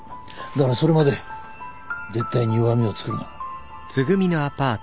だからそれまで絶対に弱みを作るな。